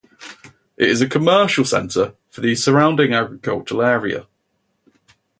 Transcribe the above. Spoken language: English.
It is a commercial center for the surrounding agricultural area.